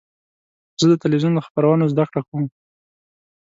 زه د تلویزیون له خپرونو زده کړه کوم.